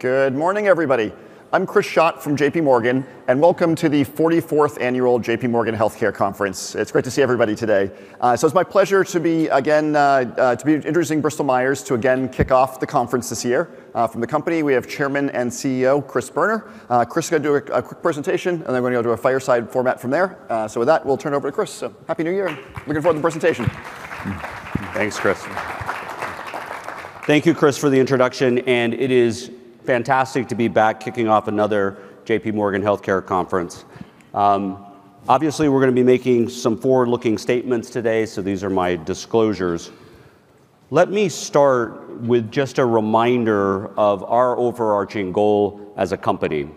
Good morning, everybody. I'm Chris Schott from J.P. Morgan, and welcome to the 44th Annual J.P. Morgan Healthcare Conference. It's great to see everybody today. So it's my pleasure to be again introducing Bristol Myers to again kick off the conference this year. From the company, we have Chairman and CEO Chris Boerner. Chris is going to do a quick presentation, and then we're going to go to a fireside format from there. So with that, we'll turn it over to Chris. So happy new year. Looking forward to the presentation. Thanks, Chris. Thank you, Chris, for the introduction. And it is fantastic to be back kicking off another J.P. Morgan Healthcare Conference. Obviously, we're going to be making some forward-looking statements today, so these are my disclosures. Let me start with just a reminder of our overarching goal as a company.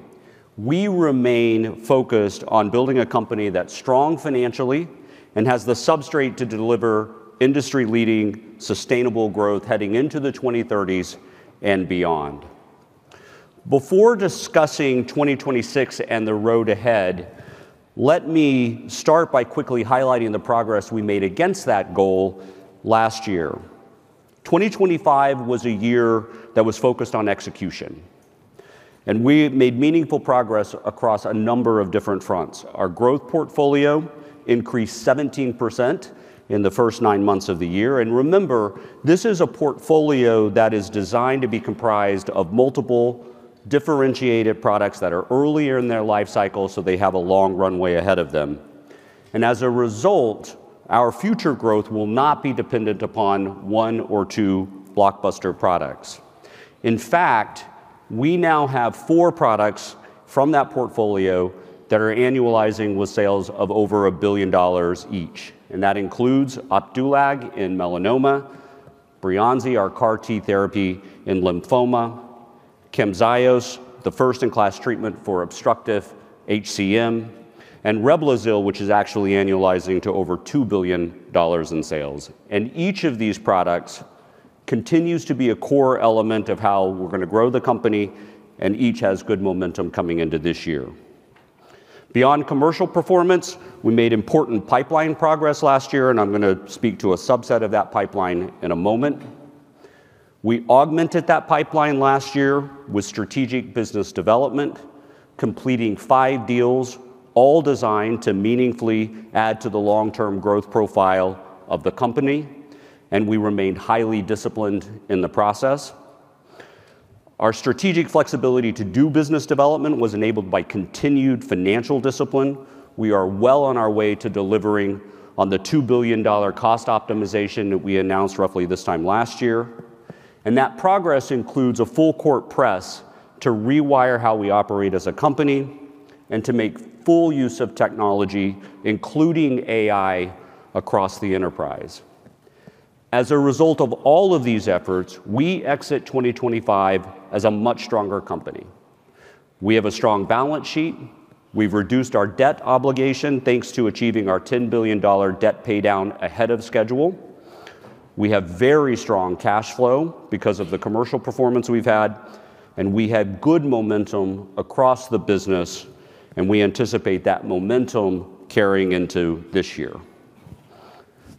We remain focused on building a company that's strong financially and has the substrate to deliver industry-leading sustainable growth heading into the 2030s and beyond. Before discussing 2026 and the road ahead, let me start by quickly highlighting the progress we made against that goal last year. 2025 was a year that was focused on execution, and we made meaningful progress across a number of different fronts. Our growth portfolio increased 17% in the first nine months of the year. Remember, this is a portfolio that is designed to be comprised of multiple differentiated products that are earlier in their life cycle, so they have a long runway ahead of them. And as a result, our future growth will not be dependent upon one or two blockbuster products. In fact, we now have four products from that portfolio that are annualizing with sales of over $1 billion each. And that includes Opdualag in melanoma, Breyanzi, our CAR-T therapy in lymphoma, Camzyos, the first-in-class treatment for obstructive HCM, and Reblozyl, which is actually annualizing to over $2 billion in sales. And each of these products continues to be a core element of how we're going to grow the company, and each has good momentum coming into this year. Beyond commercial performance, we made important pipeline progress last year, and I'm going to speak to a subset of that pipeline in a moment. We augmented that pipeline last year with strategic business development, completing five deals, all designed to meaningfully add to the long-term growth profile of the company. And we remained highly disciplined in the process. Our strategic flexibility to do business development was enabled by continued financial discipline. We are well on our way to delivering on the $2 billion cost optimization that we announced roughly this time last year. And that progress includes a full-court press to rewire how we operate as a company and to make full use of technology, including AI, across the enterprise. As a result of all of these efforts, we exit 2025 as a much stronger company. We have a strong balance sheet. We've reduced our debt obligation thanks to achieving our $10 billion debt paydown ahead of schedule. We have very strong cash flow because of the commercial performance we've had, and we had good momentum across the business, and we anticipate that momentum carrying into this year.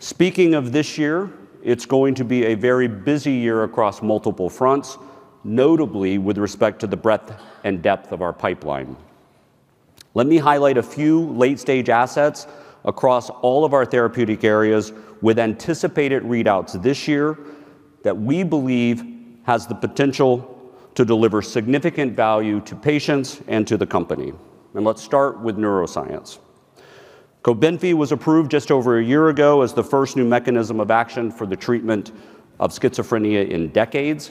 Speaking of this year, it's going to be a very busy year across multiple fronts, notably with respect to the breadth and depth of our pipeline. Let me highlight a few late-stage assets across all of our therapeutic areas with anticipated readouts this year that we believe have the potential to deliver significant value to patients and to the company. And let's start with neuroscience. Cobenfy was approved just over a year ago as the first new mechanism of action for the treatment of schizophrenia in decades.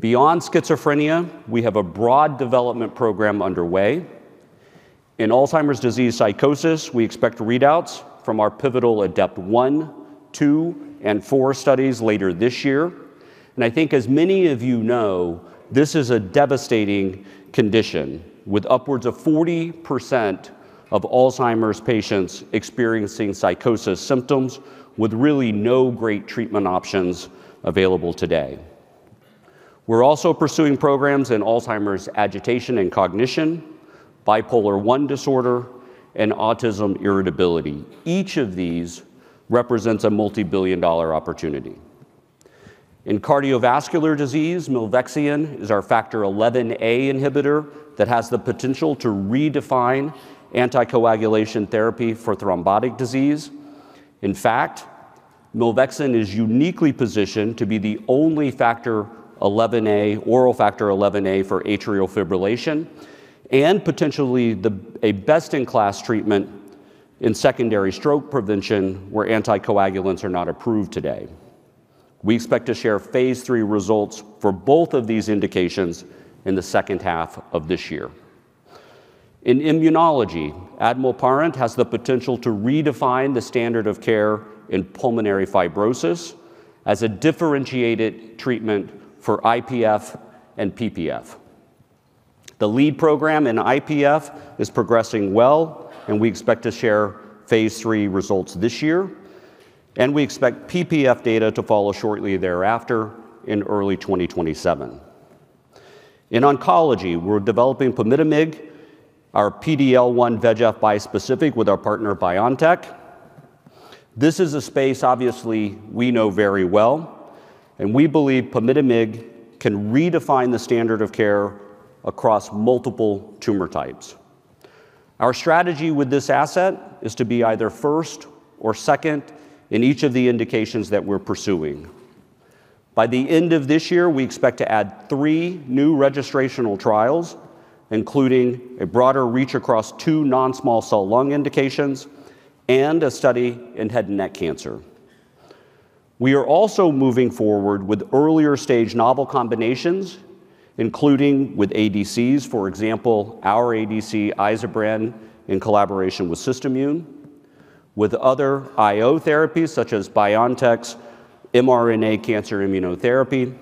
Beyond schizophrenia, we have a broad development program underway. In Alzheimer's disease psychosis, we expect readouts from our pivotal ADEPT-1, ADEPT-2, and ADEPT-4 studies later this year. I think, as many of you know, this is a devastating condition with upwards of 40% of Alzheimer's patients experiencing psychosis symptoms with really no great treatment options available today. We're also pursuing programs in Alzheimer's agitation and cognition, bipolar I disorder, and autism irritability. Each of these represents a multi-billion dollar opportunity. In cardiovascular disease, Milvexian is our Factor XIa inhibitor that has the potential to redefine anticoagulation therapy for thrombotic disease. In fact, Milvexian is uniquely positioned to be the only Factor XIa, oral Factor XIa, for atrial fibrillation and potentially a best-in-class treatment in secondary stroke prevention where anticoagulants are not approved today. We expect to share Phase III results for both of these indications in the second half of this year. In immunology, Admilparant has the potential to redefine the standard of care in pulmonary fibrosis as a differentiated treatment for IPF and PPF. The lead program in IPF is progressing well, and we expect to share Phase III results this year, and we expect PPF data to follow shortly thereafter in early 2027. In oncology, we're developing Pumitamig, our PD-L1 VEGF bispecific with our partner BioNTech. This is a space, obviously, we know very well, and we believe Pumitamig can redefine the standard of care across multiple tumor types. Our strategy with this asset is to be either first or second in each of the indications that we're pursuing. By the end of this year, we expect to add three new registrational trials, including a broader reach across two non-small cell lung indications and a study in head and neck cancer. We are also moving forward with earlier stage novel combinations, including with ADCs, for example, our ADC BL-B01D1 in collaboration with SystImmune, with other IO therapies such as BioNTech's mRNA cancer immunotherapy,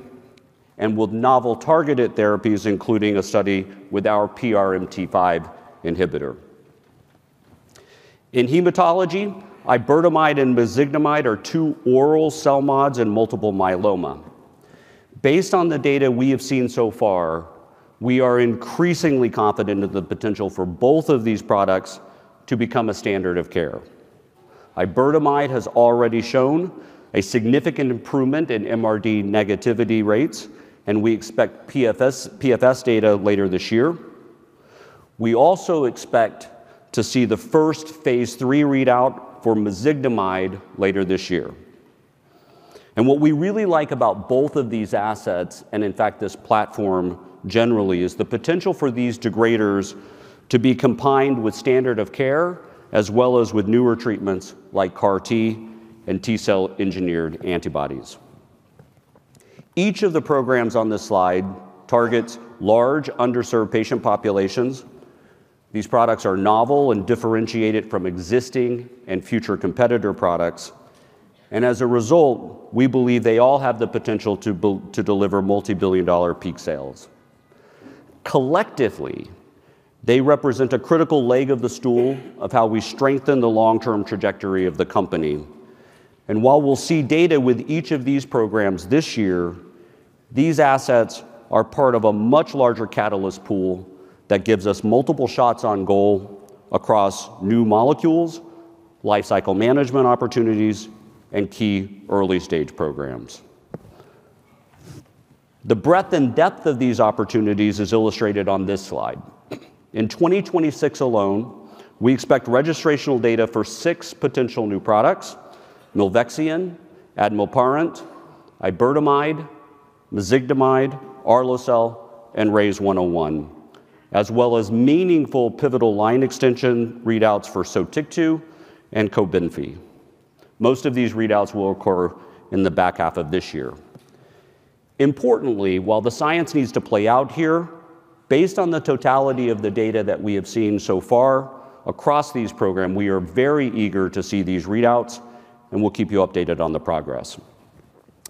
and with novel targeted therapies, including a study with our PRMT5 inhibitor. In hematology, Iberdomide and Mezigdomide are two oral CELMoDs in multiple myeloma. Based on the data we have seen so far, we are increasingly confident in the potential for both of these products to become a standard of care. Iberdomide has already shown a significant improvement in MRD negativity rates, and we expect PFS data later this year. We also expect to see the first Phase III readout for Mezigdomide later this year. What we really like about both of these assets, and in fact this platform generally, is the potential for these degraders to be combined with standard of care as well as with newer treatments like CAR-T and T-cell engineered antibodies. Each of the programs on this slide targets large underserved patient populations. These products are novel and differentiated from existing and future competitor products. As a result, we believe they all have the potential to deliver multi-billion-dollar peak sales. Collectively, they represent a critical leg of the stool of how we strengthen the long-term trajectory of the company. While we'll see data with each of these programs this year, these assets are part of a much larger catalyst pool that gives us multiple shots on goal across new molecules, lifecycle management opportunities, and key early-stage programs. The breadth and depth of these opportunities is illustrated on this slide. In 2026 alone, we expect registrational data for six potential new products: Milvexian, Admilparant, Iberdomide, Mezigdomide, AR-LDD, and RYZ101, as well as meaningful pivotal line extension readouts for Sotyktu and Cobenfy. Most of these readouts will occur in the back half of this year. Importantly, while the science needs to play out here, based on the totality of the data that we have seen so far across these programs, we are very eager to see these readouts, and we'll keep you updated on the progress.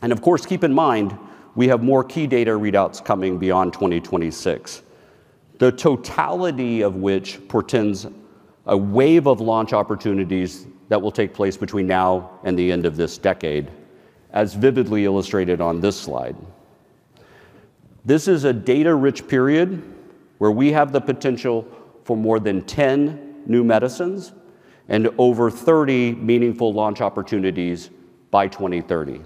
And of course, keep in mind we have more key data readouts coming beyond 2026, the totality of which portends a wave of launch opportunities that will take place between now and the end of this decade, as vividly illustrated on this slide. This is a data-rich period where we have the potential for more than 10 new medicines and over 30 meaningful launch opportunities by 2030.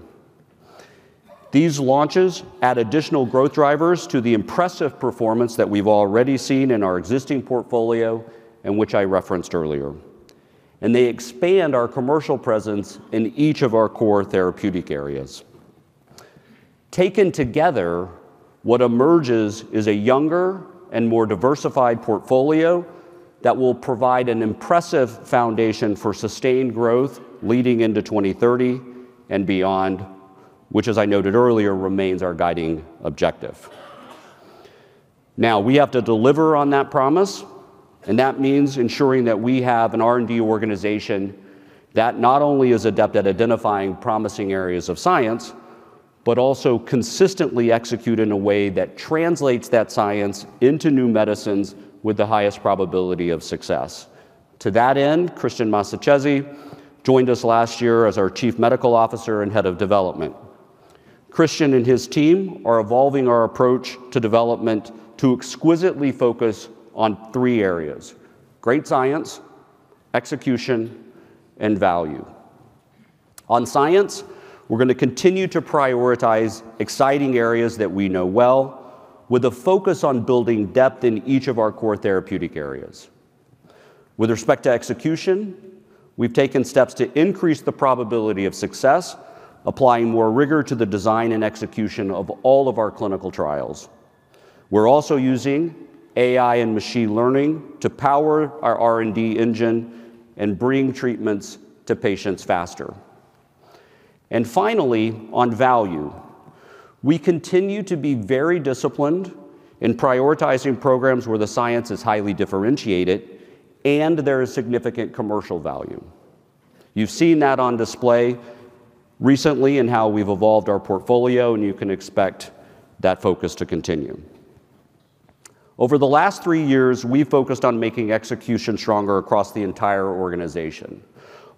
These launches add additional growth drivers to the impressive performance that we've already seen in our existing portfolio and which I referenced earlier. And they expand our commercial presence in each of our core therapeutic areas. Taken together, what emerges is a younger and more diversified portfolio that will provide an impressive foundation for sustained growth leading into 2030 and beyond, which, as I noted earlier, remains our guiding objective. Now, we have to deliver on that promise, and that means ensuring that we have an R&D organization that not only is adept at identifying promising areas of science, but also consistently executes in a way that translates that science into new medicines with the highest probability of success. To that end, Christian Massacesi joined us last year as our Chief Medical Officer and Head of Development. Christian and his team are evolving our approach to development to exquisitely focus on three areas: great science, execution, and value. On science, we're going to continue to prioritize exciting areas that we know well with a focus on building depth in each of our core therapeutic areas. With respect to execution, we've taken steps to increase the probability of success, applying more rigor to the design and execution of all of our clinical trials. We're also using AI and machine learning to power our R&D engine and bring treatments to patients faster. And finally, on value, we continue to be very disciplined in prioritizing programs where the science is highly differentiated and there is significant commercial value. You've seen that on display recently in how we've evolved our portfolio, and you can expect that focus to continue. Over the last three years, we've focused on making execution stronger across the entire organization.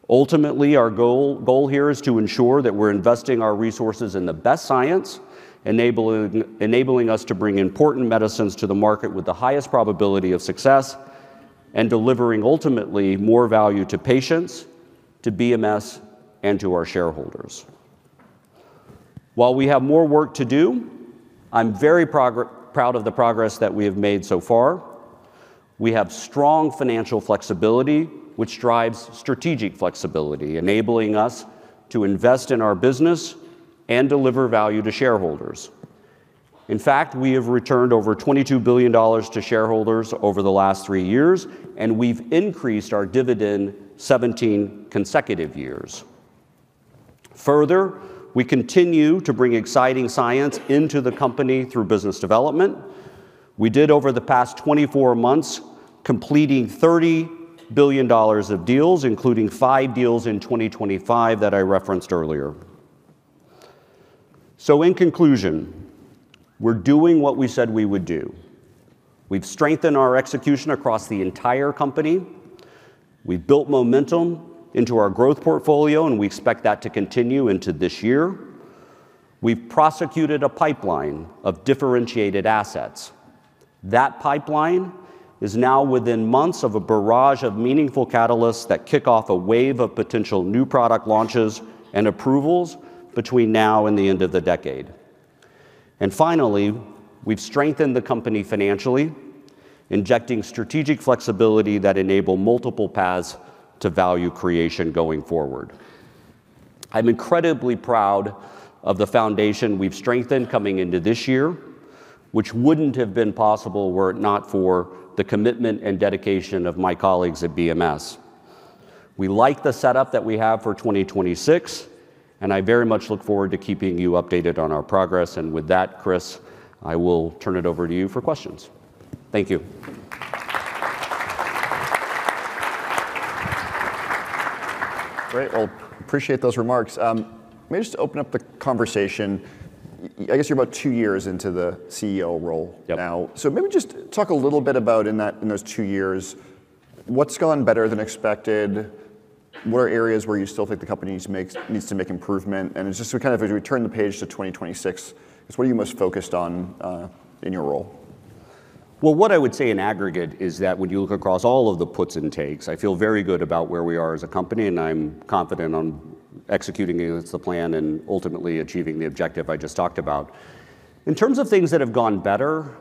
Ultimately, our goal here is to ensure that we're investing our resources in the best science, enabling us to bring important medicines to the market with the highest probability of success and delivering ultimately more value to patients, to BMS, and to our shareholders. While we have more work to do, I'm very proud of the progress that we have made so far. We have strong financial flexibility, which drives strategic flexibility, enabling us to invest in our business and deliver value to shareholders. In fact, we have returned over $22 billion to shareholders over the last three years, and we've increased our dividend 17 consecutive years. Further, we continue to bring exciting science into the company through business development. We did, over the past 24 months, complete $30 billion of deals, including five deals in 2025 that I referenced earlier. So, in conclusion, we're doing what we said we would do. We've strengthened our execution across the entire company. We've built momentum into our growth portfolio, and we expect that to continue into this year. We've prosecuted a pipeline of differentiated assets. That pipeline is now within months of a barrage of meaningful catalysts that kick off a wave of potential new product launches and approvals between now and the end of the decade. And finally, we've strengthened the company financially, injecting strategic flexibility that enables multiple paths to value creation going forward. I'm incredibly proud of the foundation we've strengthened coming into this year, which wouldn't have been possible were it not for the commitment and dedication of my colleagues at BMS. We like the setup that we have for 2026, and I very much look forward to keeping you updated on our progress. And with that, Chris, I will turn it over to you for questions. Thank you. Great. Appreciate those remarks. Maybe just to open up the conversation, I guess you're about two years into the CEO role now. So maybe just talk a little bit about, in those two years, what's gone better than expected? What are areas where you still think the company needs to make improvement? And it's just kind of as we turn the page to 2026, what are you most focused on in your role? What I would say in aggregate is that when you look across all of the puts and takes, I feel very good about where we are as a company, and I'm confident on executing against the plan and ultimately achieving the objective I just talked about. In terms of things that have gone better,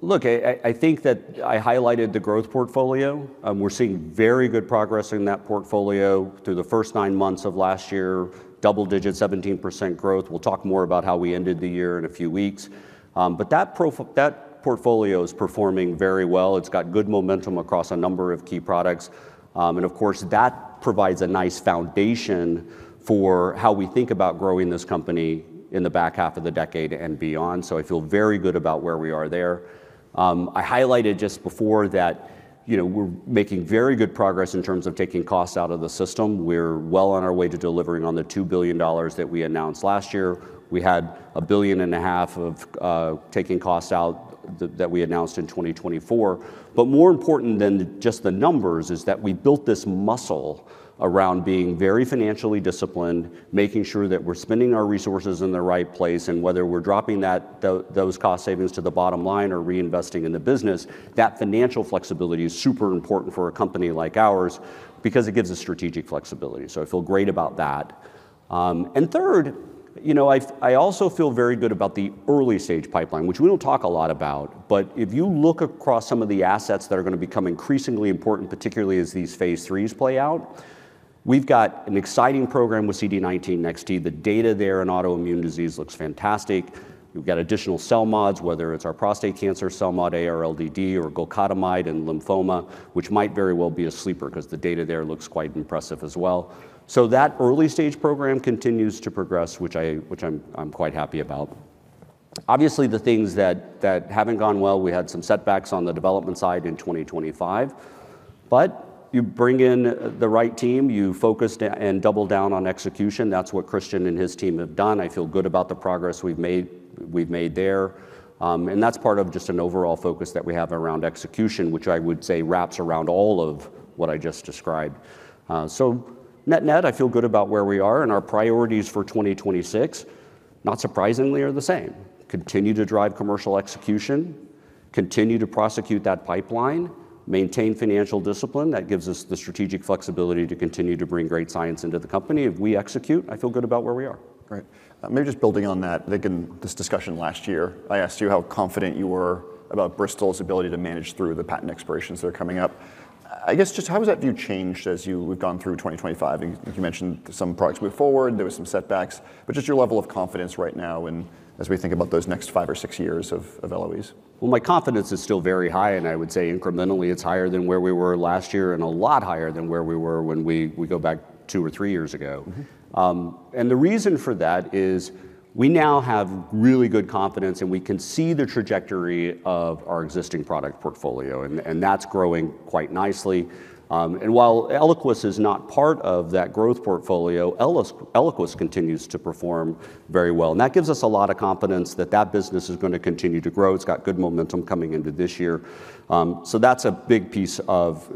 look, I think that I highlighted the growth portfolio. We're seeing very good progress in that portfolio through the first nine months of last year, double-digit 17% growth. We'll talk more about how we ended the year in a few weeks. But that portfolio is performing very well. It's got good momentum across a number of key products. And of course, that provides a nice foundation for how we think about growing this company in the back half of the decade and beyond. So I feel very good about where we are there. I highlighted just before that we're making very good progress in terms of taking costs out of the system. We're well on our way to delivering on the $2 billion that we announced last year. We had $1.5 billion of taking costs out that we announced in 2024. But more important than just the numbers is that we built this muscle around being very financially disciplined, making sure that we're spending our resources in the right place. And whether we're dropping those cost savings to the bottom line or reinvesting in the business, that financial flexibility is super important for a company like ours because it gives us strategic flexibility. So I feel great about that. And third, I also feel very good about the early stage pipeline, which we don't talk a lot about. But if you look across some of the assets that are going to become increasingly important, particularly as these Phase IIIs play out, we've got an exciting program with CD19 CAR T. The data there in autoimmune disease looks fantastic. We've got additional CELMoDs, whether it's our prostate cancer CELMoD AR-LDD or Golcadomide in lymphoma, which might very well be a sleeper because the data there looks quite impressive as well. So that early stage program continues to progress, which I'm quite happy about. Obviously, the things that haven't gone well, we had some setbacks on the development side in 2025. But you bring in the right team, you focus and double down on execution. That's what Christian and his team have done. I feel good about the progress we've made there. And that's part of just an overall focus that we have around execution, which I would say wraps around all of what I just described. So net-net, I feel good about where we are. And our priorities for 2026, not surprisingly, are the same. Continue to drive commercial execution, continue to prosecute that pipeline, maintain financial discipline. That gives us the strategic flexibility to continue to bring great science into the company. If we execute, I feel good about where we are. Great. Maybe just building on that, I think in this discussion last year, I asked you how confident you were about Bristol's ability to manage through the patent expirations that are coming up. I guess just how has that view changed as we've gone through 2025? You mentioned some products move forward, there were some setbacks, but just your level of confidence right now as we think about those next five or six years of LOEs? Well, my confidence is still very high, and I would say incrementally it's higher than where we were last year and a lot higher than where we were when we go back two or three years ago. And the reason for that is we now have really good confidence and we can see the trajectory of our existing product portfolio, and that's growing quite nicely. And while Eliquis is not part of that growth portfolio, Eliquis continues to perform very well. And that gives us a lot of confidence that that business is going to continue to grow. It's got good momentum coming into this year. So that's a big piece of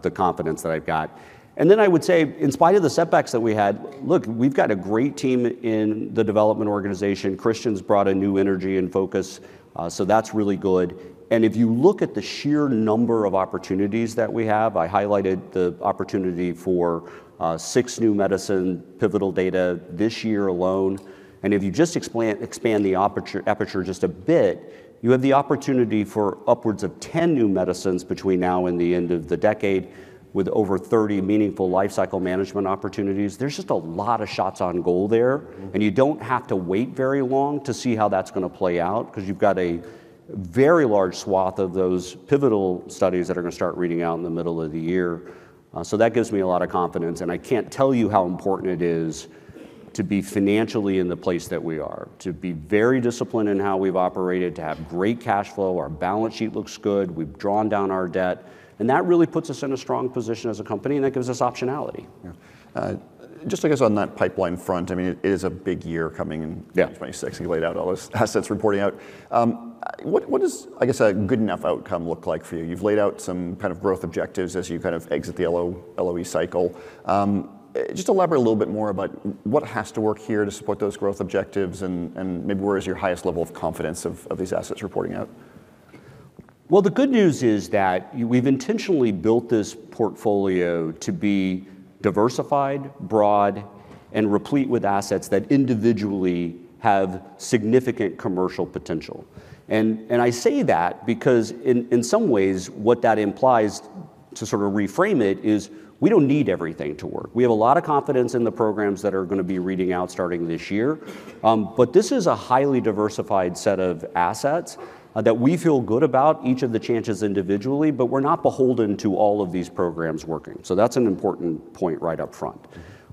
the confidence that I've got. And then I would say, in spite of the setbacks that we had, look, we've got a great team in the development organization. Christian's brought a new energy and focus, so that's really good. And if you look at the sheer number of opportunities that we have, I highlighted the opportunity for six new medicine pivotal data this year alone. And if you just expand the aperture just a bit, you have the opportunity for upwards of 10 new medicines between now and the end of the decade with over 30 meaningful lifecycle management opportunities. There's just a lot of shots on goal there, and you don't have to wait very long to see how that's going to play out because you've got a very large swath of those pivotal studies that are going to start reading out in the middle of the year. So that gives me a lot of confidence. And I can't tell you how important it is to be financially in the place that we are, to be very disciplined in how we've operated, to have great cash flow, our balance sheet looks good, we've drawn down our debt. And that really puts us in a strong position as a company, and that gives us optionality. Just, I guess, on that pipeline front, I mean, it is a big year coming in 2026. You laid out all those assets reporting out. What does, I guess, a good enough outcome look like for you? You've laid out some kind of growth objectives as you kind of exit the LOE cycle. Just elaborate a little bit more about what has to work here to support those growth objectives and maybe where is your highest level of confidence of these assets reporting out? Well, the good news is that we've intentionally built this portfolio to be diversified, broad, and replete with assets that individually have significant commercial potential. And I say that because in some ways, what that implies to sort of reframe it is we don't need everything to work. We have a lot of confidence in the programs that are going to be reading out starting this year. But this is a highly diversified set of assets that we feel good about each of the chances individually, but we're not beholden to all of these programs working. So that's an important point right up front.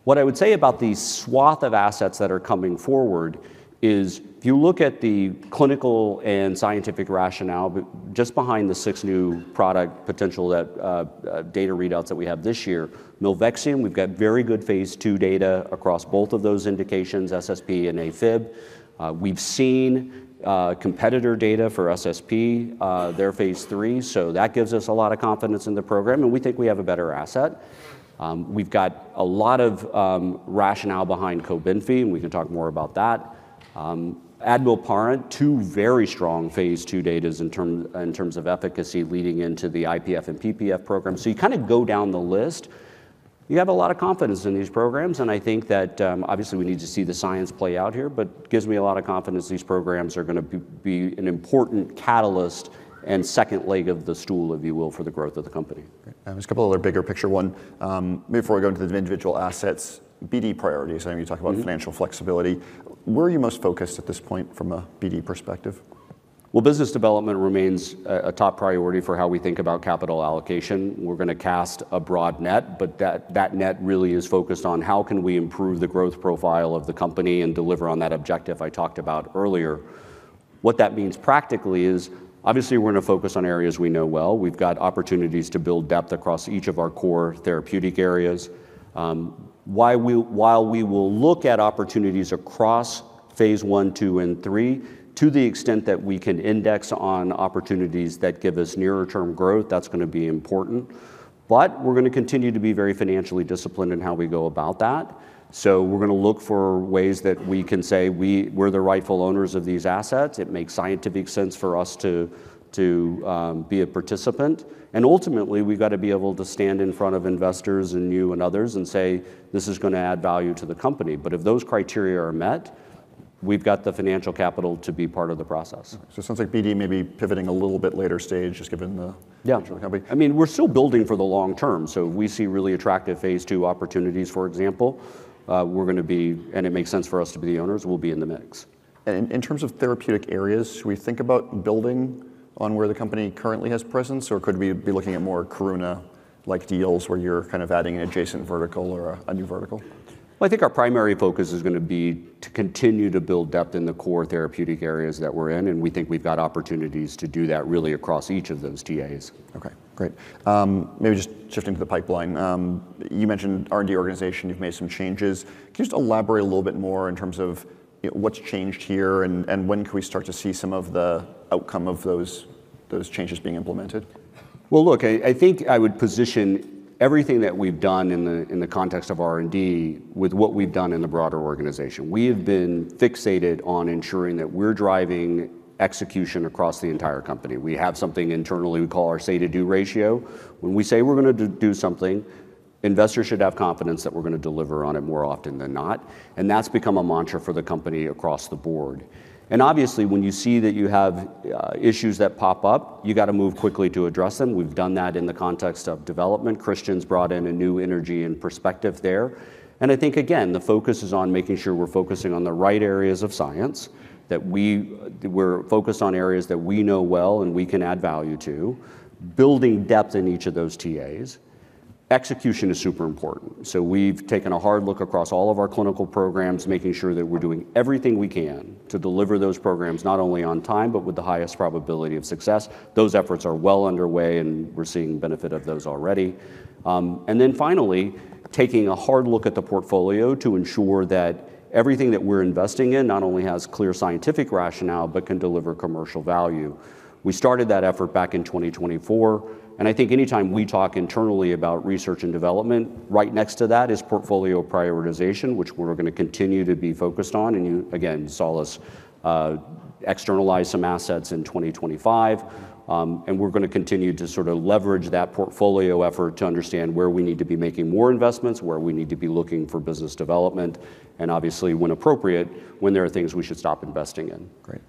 What I would say about the swath of assets that are coming forward is if you look at the clinical and scientific rationale just behind the six new product potential data readouts that we have this year, Milvexian. We've got very good Phase II data across both of those indications, SSP and AFib. We've seen competitor data for SSP, their Phase III. So that gives us a lot of confidence in the program, and we think we have a better asset. We've got a lot of rationale behind Cobenfy, and we can talk more about that. Admilparant, two very strong Phase II data in terms of efficacy leading into the IPF and PPF program. So you kind of go down the list, you have a lot of confidence in these programs. And I think that obviously we need to see the science play out here, but it gives me a lot of confidence these programs are going to be an important catalyst and second leg of the stool, if you will, for the growth of the company. There's a couple of other bigger picture ones. Maybe before we go into the individual assets, BD priorities, I mean, you talk about financial flexibility. Where are you most focused at this point from a BD perspective? Well, business development remains a top priority for how we think about capital allocation. We're going to cast a broad net, but that net really is focused on how can we improve the growth profile of the company and deliver on that objective I talked about earlier. What that means practically is obviously we're going to focus on areas we know well. We've got opportunities to build depth across each of our core therapeutic areas. While we will look at opportunities across Phase I, II, and three, to the extent that we can index on opportunities that give us nearer-term growth, that's going to be important. But we're going to continue to be very financially disciplined in how we go about that. So we're going to look for ways that we can say we're the rightful owners of these assets. It makes scientific sense for us to be a participant. And ultimately, we've got to be able to stand in front of investors and you and others and say, "This is going to add value to the company." But if those criteria are met, we've got the financial capital to be part of the process. So it sounds like BD may be pivoting a little bit later stage just given the nature of the company. Yeah. I mean, we're still building for the long term. So if we see really attractive Phase II opportunities, for example, we're going to be, and it makes sense for us to be the owners, we'll be in the mix. And in terms of therapeutic areas, should we think about building on where the company currently has presence, or could we be looking at more Karuna-like deals where you're kind of adding an adjacent vertical or a new vertical? Well, I think our primary focus is going to be to continue to build depth in the core therapeutic areas that we're in. And we think we've got opportunities to do that really across each of those TAs. Okay. Great. Maybe just shifting to the pipeline. You mentioned R&D organization. You've made some changes. Can you just elaborate a little bit more in terms of what's changed here and when can we start to see some of the outcome of those changes being implemented? Well, look, I think I would position everything that we've done in the context of R&D with what we've done in the broader organization. We have been fixated on ensuring that we're driving execution across the entire company. We have something internally we call our say-to-do ratio. When we say we're going to do something, investors should have confidence that we're going to deliver on it more often than not. And that's become a mantra for the company across the board. And obviously, when you see that you have issues that pop up, you got to move quickly to address them. We've done that in the context of development. Christian's brought in a new energy and perspective there, and I think, again, the focus is on making sure we're focusing on the right areas of science, that we're focused on areas that we know well and we can add value to, building depth in each of those TAs. Execution is super important. So we've taken a hard look across all of our clinical programs, making sure that we're doing everything we can to deliver those programs not only on time, but with the highest probability of success. Those efforts are well underway, and we're seeing benefit of those already, and then finally, taking a hard look at the portfolio to ensure that everything that we're investing in not only has clear scientific rationale, but can deliver commercial value. We started that effort back in 2024. I think anytime we talk internally about research and development, right next to that is portfolio prioritization, which we're going to continue to be focused on. You, again, saw us externalize some assets in 2025. We're going to continue to sort of leverage that portfolio effort to understand where we need to be making more investments, where we need to be looking for business development, and obviously, when appropriate, when there are things we should stop investing in. Great.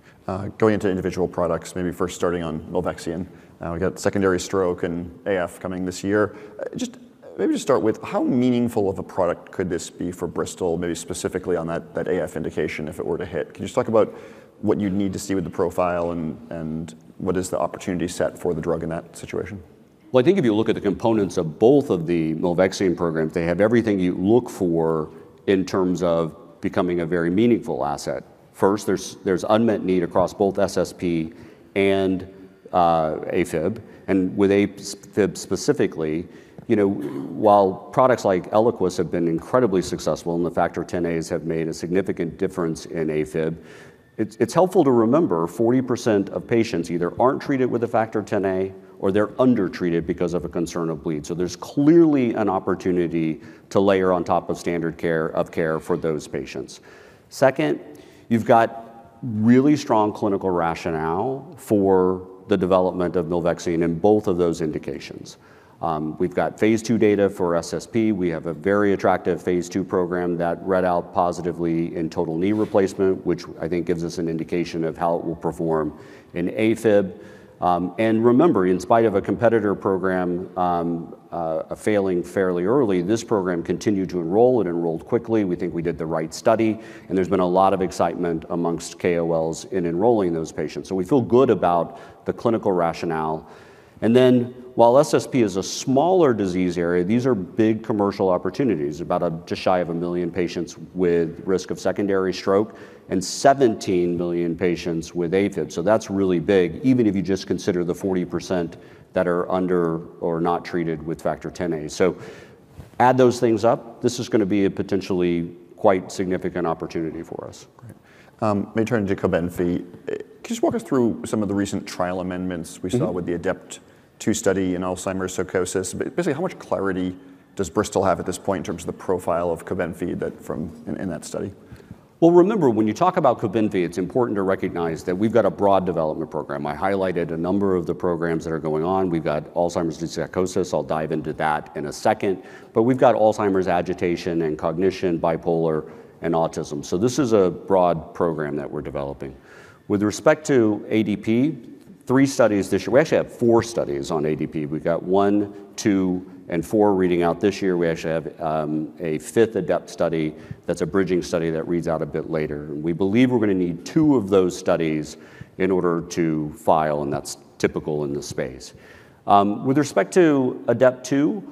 Going into individual products, maybe first starting on Milvexian. We got secondary stroke and AF coming this year. Just maybe start with how meaningful of a product could this be for Bristol, maybe specifically on that AF indication if it were to hit? Can you just talk about what you'd need to see with the profile and what is the opportunity set for the drug in that situation? Well, I think if you look at the components of both of the Milvexian programs, they have everything you look for in terms of becoming a very meaningful asset. First, there's unmet need across both SSP and AFib. And with AFib specifically, while products like Eliquis have been incredibly successful and the Factor Xas have made a significant difference in AFib, it's helpful to remember 40% of patients either aren't treated with a Factor Xa or they're undertreated because of a concern of bleed. So there's clearly an opportunity to layer on top of standard of care for those patients. Second, you've got really strong clinical rationale for the development of Milvexian in both of those indications. We've got Phase II data for SSP. We have a very attractive Phase II program that read out positively in total knee replacement, which I think gives us an indication of how it will perform in AFib. And remember, in spite of a competitor program failing fairly early, this program continued to enroll and enrolled quickly. We think we did the right study. And there's been a lot of excitement amongst KOLs in enrolling those patients. So we feel good about the clinical rationale. And then while SSP is a smaller disease area, these are big commercial opportunities, about just shy of a million patients with risk of secondary stroke and 17 million patients with AFib. So that's really big, even if you just consider the 40% that are under or not treated with Factor XIa. So add those things up. This is going to be a potentially quite significant opportunity for us. Great. Maybe turning to Cobenfy. Could you just walk us through some of the recent trial amendments we saw with the ADEPT-2 study in Alzheimer's psychosis? Basically, how much clarity does Bristol have at this point in terms of the profile of Cobenfy from in that study? Remember, when you talk about Cobenfy, it's important to recognize that we've got a broad development program. I highlighted a number of the programs that are going on. We've got Alzheimer's disease psychosis. I'll dive into that in a second. But we've got Alzheimer's agitation and cognition, bipolar, and autism. So this is a broad program that we're developing. With respect to ADEPT, three studies this year. We actually have four studies on ADEPT. We've got one, two, and four reading out this year. We actually have a fifth ADEPT study that's a bridging study that reads out a bit later. We believe we're going to need two of those studies in order to file, and that's typical in the space. With respect to ADEPT-2,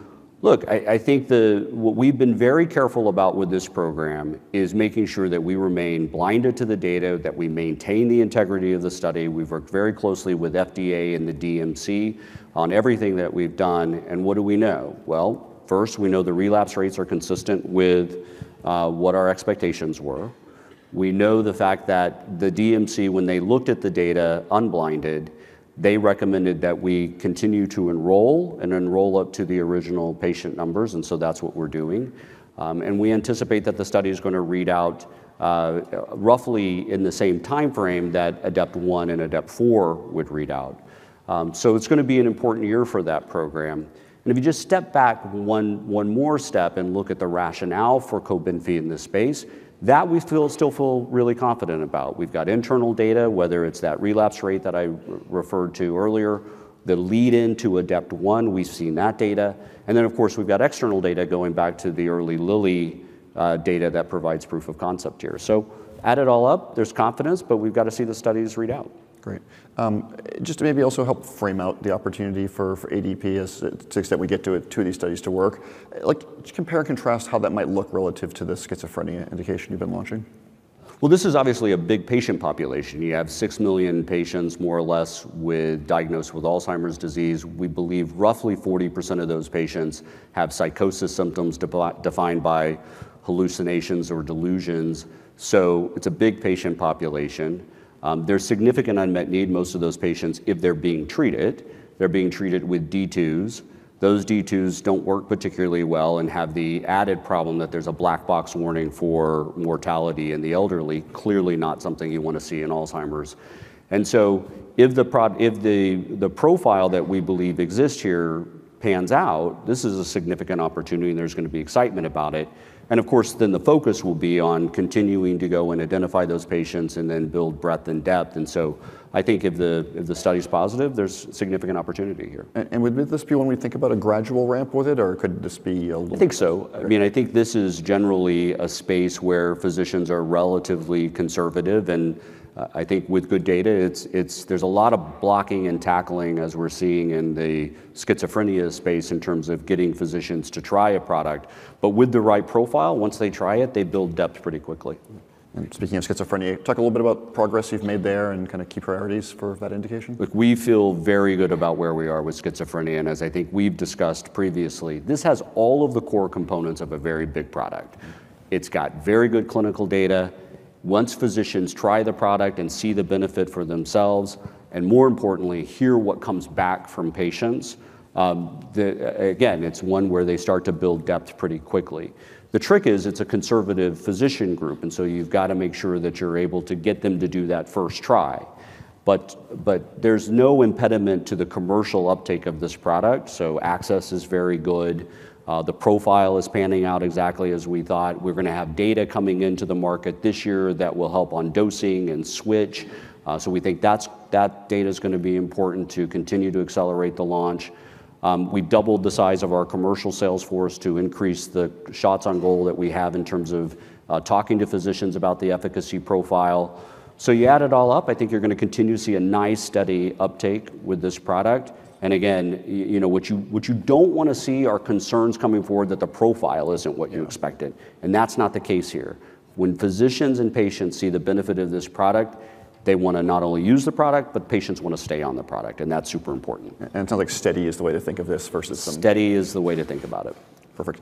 look, I think what we've been very careful about with this program is making sure that we remain blinded to the data, that we maintain the integrity of the study. We've worked very closely with FDA and the DMC on everything that we've done. What do we know? First, we know the relapse rates are consistent with what our expectations were. We know the fact that the DMC, when they looked at the data unblinded, they recommended that we continue to enroll and enroll up to the original patient numbers. That's what we're doing. We anticipate that the study is going to read out roughly in the same timeframe that ADEPT-1 and ADEPT-4 would read out. So it's going to be an important year for that program. And if you just step back one more step and look at the rationale for Cobenfy in this space, that we still feel really confident about. We've got internal data, whether it's that relapse rate that I referred to earlier, the lead-in to ADEPT-1; we've seen that data. And then, of course, we've got external data going back to the early Lilly data that provides proof of concept here. So add it all up. There's confidence, but we've got to see the studies read out. Great. Just to maybe also help frame out the opportunity for AD to the extent we get these studies to work, just compare and contrast how that might look relative to the schizophrenia indication you've been launching. Well, this is obviously a big patient population. You have six million patients, more or less, diagnosed with Alzheimer's disease. We believe roughly 40% of those patients have psychosis symptoms defined by hallucinations or delusions, so it's a big patient population. There's significant unmet need. Most of those patients, if they're being treated, they're being treated with D2s. Those D2s don't work particularly well and have the added problem that there's a black box warning for mortality in the elderly, clearly not something you want to see in Alzheimer's, and so if the profile that we believe exists here pans out, this is a significant opportunity and there's going to be excitement about it, and of course, then the focus will be on continuing to go and identify those patients and then build breadth and depth, and so I think if the study's positive, there's significant opportunity here. Would this be when we think about a gradual ramp with it, or could this be a little? I think so. I mean, I think this is generally a space where physicians are relatively conservative. I think with good data, there's a lot of blocking and tackling as we're seeing in the schizophrenia space in terms of getting physicians to try a product. With the right profile, once they try it, they build depth pretty quickly. Speaking of schizophrenia, talk a little bit about progress you've made there and kind of key priorities for that indication. Look, we feel very good about where we are with schizophrenia. As I think we've discussed previously, this has all of the core components of a very big product. It's got very good clinical data. Once physicians try the product and see the benefit for themselves, and more importantly, hear what comes back from patients, again, it's one where they start to build depth pretty quickly. The trick is it's a conservative physician group, and so you've got to make sure that you're able to get them to do that first try, but there's no impediment to the commercial uptake of this product, so access is very good. The profile is panning out exactly as we thought. We're going to have data coming into the market this year that will help on dosing and switch, so we think that data is going to be important to continue to accelerate the launch. We've doubled the size of our commercial sales force to increase the shots on goal that we have in terms of talking to physicians about the efficacy profile. So you add it all up, I think you're going to continue to see a nice steady uptake with this product. And again, what you don't want to see are concerns coming forward that the profile isn't what you expected. And that's not the case here. When physicians and patients see the benefit of this product, they want to not only use the product, but patients want to stay on the product. And that's super important. And it sounds like steady is the way to think about it. Perfect.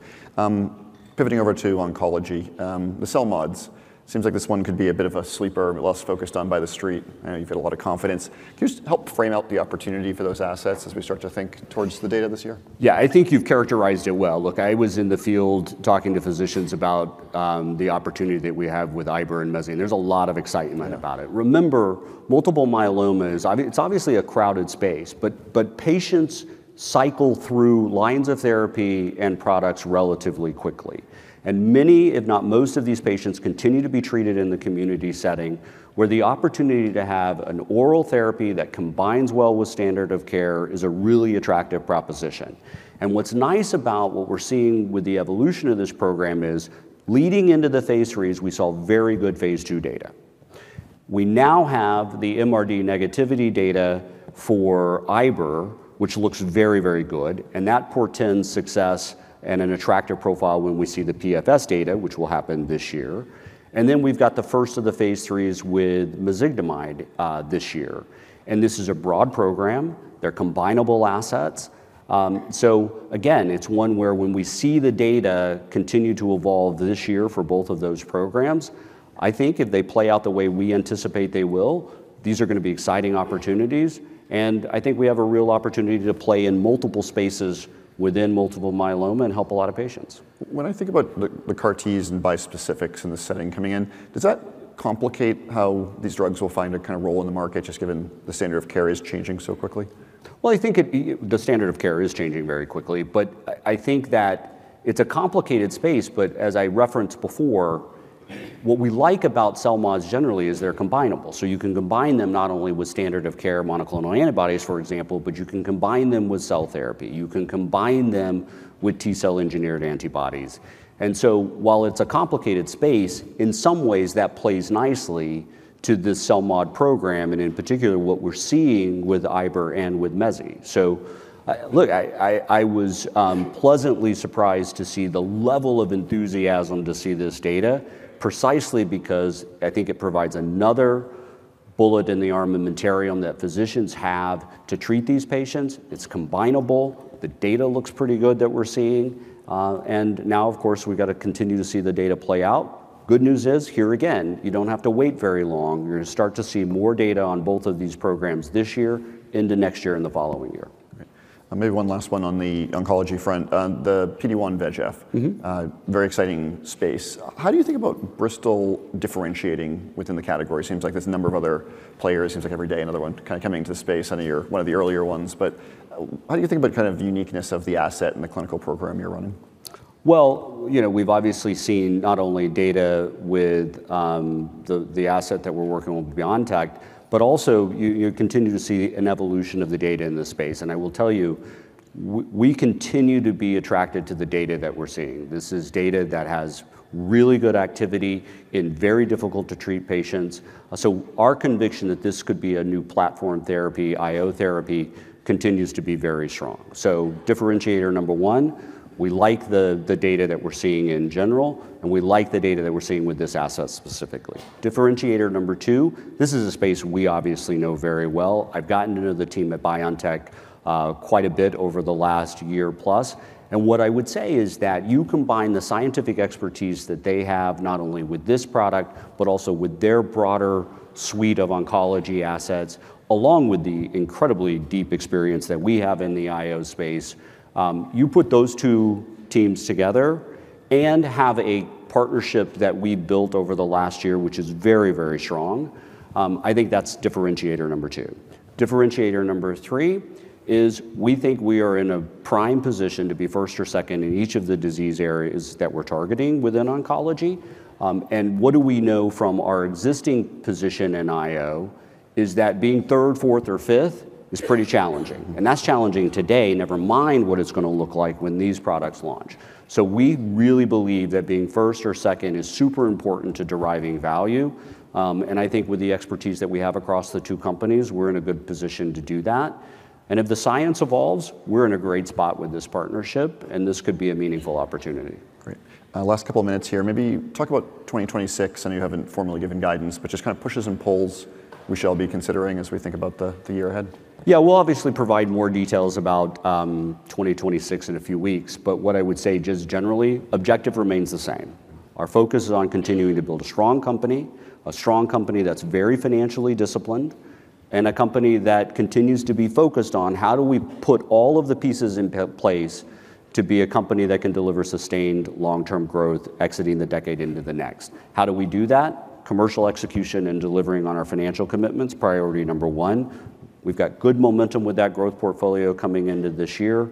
Pivoting over to oncology, the CELMoDs. Seems like this one could be a bit of a sleeper, less focused on by the street. I know you've had a lot of confidence. Can you just help frame out the opportunity for those assets as we start to think towards the data this year? Yeah, I think you've characterized it well. Look, I was in the field talking to physicians about the opportunity that we have with IBER and Mezi. There's a lot of excitement about it. Remember, multiple myeloma, it's obviously a crowded space, but patients cycle through lines of therapy and products relatively quickly. Many, if not most, of these patients continue to be treated in the community setting where the opportunity to have an oral therapy that combines well with standard of care is a really attractive proposition. What's nice about what we're seeing with the evolution of this program is leading into the Phase IIIs, we saw very good Phase II data. We now have the MRD negativity data for IBER, which looks very, very good. And that portends success and an attractive profile when we see the PFS data, which will happen this year. And then we've got the first of the Phase IIIs with Mezigdomide this year. And this is a broad program. They're combinable assets. So again, it's one where when we see the data continue to evolve this year for both of those programs, I think if they play out the way we anticipate they will, these are going to be exciting opportunities. And I think we have a real opportunity to play in multiple spaces within multiple myeloma and help a lot of patients. When I think about the CAR-Ts and bispecifics in the setting coming in, does that complicate how these drugs will find a kind of role in the market just given the standard of care is changing so quickly? I think the standard of care is changing very quickly. But I think that it's a complicated space. But as I referenced before, what we like about CELMoDs generally is they're combinable. So you can combine them not only with standard of care monoclonal antibodies, for example, but you can combine them with cell therapy. You can combine them with T cell engineered antibodies. And so while it's a complicated space, in some ways that plays nicely to the CELMoD program and in particular what we're seeing with Iberdomide and with Mezigdomide. So look, I was pleasantly surprised to see the level of enthusiasm to see this data precisely because I think it provides another bullet in the armamentarium that physicians have to treat these patients. It's combinable. The data looks pretty good that we're seeing. And now, of course, we've got to continue to see the data play out. Good news is here again, you don't have to wait very long. You're going to start to see more data on both of these programs this year into next year and the following year. Maybe one last one on the oncology front, the PD1-VEGF, very exciting space. How do you think about Bristol differentiating within the category? Seems like there's a number of other players. Seems like every day another one kind of coming into the space. I know you're one of the earlier ones. But how do you think about kind of uniqueness of the asset and the clinical program you're running? Well, we've obviously seen not only data with the asset that we're working with BioNTech, but also you continue to see an evolution of the data in this space. And I will tell you, we continue to be attracted to the data that we're seeing. This is data that has really good activity in very difficult to treat patients. So our conviction that this could be a new platform therapy, IO therapy, continues to be very strong. So differentiator number one, we like the data that we're seeing in general, and we like the data that we're seeing with this asset specifically. Differentiator number two, this is a space we obviously know very well. I've gotten to know the team at BioNTech quite a bit over the last year plus. And what I would say is that you combine the scientific expertise that they have not only with this product, but also with their broader suite of oncology assets, along with the incredibly deep experience that we have in the IO space. You put those two teams together and have a partnership that we built over the last year, which is very, very strong. I think that's differentiator number two. Differentiator number three is we think we are in a prime position to be first or second in each of the disease areas that we're targeting within oncology, and what do we know from our existing position in IO is that being third, fourth, or fifth is pretty challenging, and that's challenging today, never mind what it's going to look like when these products launch, so we really believe that being first or second is super important to deriving value, and I think with the expertise that we have across the two companies, we're in a good position to do that, and if the science evolves, we're in a great spot with this partnership, and this could be a meaningful opportunity. Great. Last couple of minutes here. Maybe talk about 2026. I know you haven't formally given guidance, but just kind of pushes and pulls we shall be considering as we think about the year ahead. Yeah, we'll obviously provide more details about 2026 in a few weeks. But what I would say just generally, objective remains the same. Our focus is on continuing to build a strong company, a strong company that's very financially disciplined, and a company that continues to be focused on how do we put all of the pieces in place to be a company that can deliver sustained long-term growth exiting the decade into the next. How do we do that? Commercial execution and delivering on our financial commitments, priority number one. We've got good momentum with that growth portfolio coming into this year.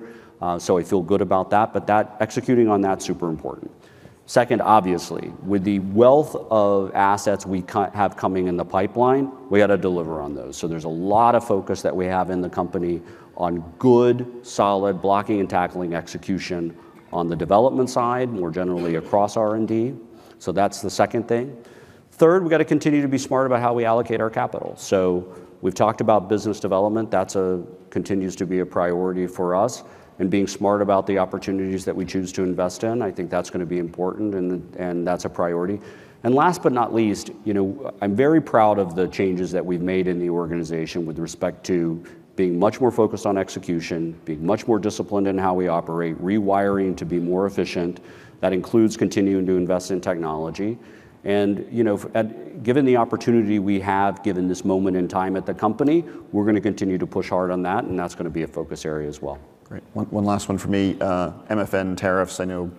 So I feel good about that. But executing on that's super important. Second, obviously, with the wealth of assets we have coming in the pipeline, we got to deliver on those, so there's a lot of focus that we have in the company on good, solid blocking and tackling execution on the development side, more generally across R&D, so that's the second thing. Third, we got to continue to be smart about how we allocate our capital, so we've talked about business development. That continues to be a priority for us, and being smart about the opportunities that we choose to invest in, I think that's going to be important, and that's a priority, and last but not least, I'm very proud of the changes that we've made in the organization with respect to being much more focused on execution, being much more disciplined in how we operate, rewiring to be more efficient. That includes continuing to invest in technology. Given the opportunity we have, given this moment in time at the company, we're going to continue to push hard on that, and that's going to be a focus area as well. Great. One last one for me, MFN tariffs. I know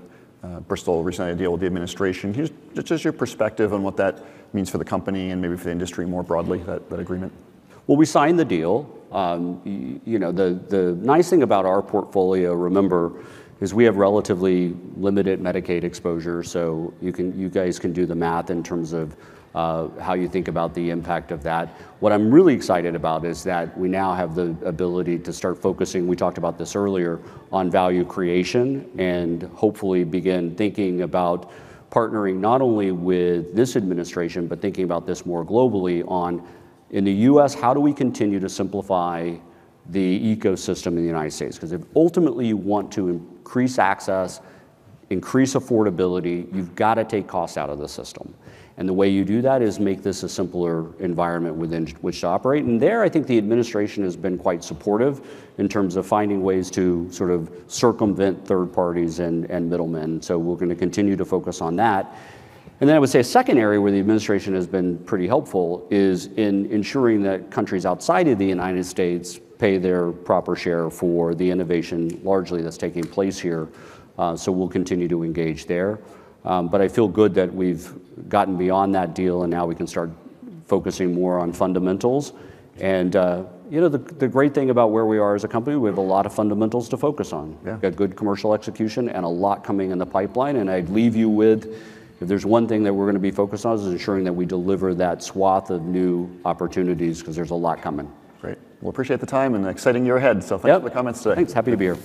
Bristol recently had a deal with the administration. Just your perspective on what that means for the company and maybe for the industry more broadly, that agreement? We signed the deal. The nice thing about our portfolio, remember, is we have relatively limited Medicaid exposure. So you guys can do the math in terms of how you think about the impact of that. What I'm really excited about is that we now have the ability to start focusing, we talked about this earlier, on value creation and hopefully begin thinking about partnering not only with this administration, but thinking about this more globally on, in the U.S., how do we continue to simplify the ecosystem in the United States? Because if ultimately you want to increase access, increase affordability, you've got to take costs out of the system. And the way you do that is make this a simpler environment within which to operate. And there, I think the administration has been quite supportive in terms of finding ways to sort of circumvent third parties and middlemen. So we're going to continue to focus on that. Then I would say a second area where the administration has been pretty helpful is in ensuring that countries outside of the United States pay their proper share for the innovation largely that's taking place here. We'll continue to engage there. I feel good that we've gotten beyond that deal and now we can start focusing more on fundamentals. The great thing about where we are as a company, we have a lot of fundamentals to focus on. We've got good commercial execution and a lot coming in the pipeline. I'd leave you with, if there's one thing that we're going to be focused on, is ensuring that we deliver that swath of new opportunities because there's a lot coming. Great. I appreciate the time and exciting year ahead. Thank you for the comments today. Thanks. Happy to be here.